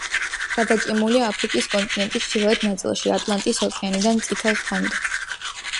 გადაჭიმულია აფრიკის კონტინენტის ჩრდილოეთ ნაწილში, ატლანტის ოკეანიდან წითელ ზღვამდე.